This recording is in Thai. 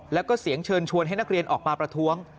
แล้วก็เสียงเชิญชวนให้นักเรียนออกมาประท้วง